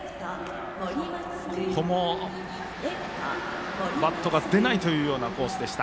ここも、バットが出ないというようなコースでした。